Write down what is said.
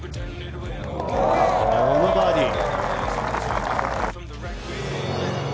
このバーディー。